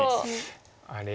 「あれ？」